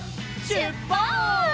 しゅっぱつ！